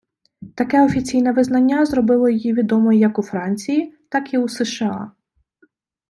Таке офіційне визнання зробило її відомою як у Франції, так і у США.